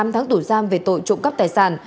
bốn mươi tám tháng tù giam về tội trộm cắp tài sản